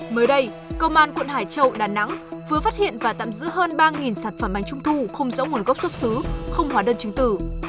mới đây công an quận hải châu đà nẵng vừa phát hiện và tạm giữ hơn ba sản phẩm bánh trung thu không rõ nguồn gốc xuất xứ không hóa đơn chứng tử